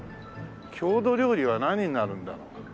郷土料理は何になるんだろう？